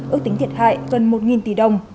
ước tính thiệt hại gần một tỷ đồng